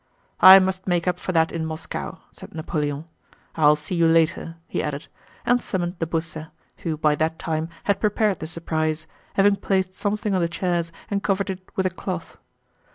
"I must make up for that in Moscow," said Napoleon. "I'll see you later," he added, and summoned de Beausset, who by that time had prepared the surprise, having placed something on the chairs and covered it with a cloth.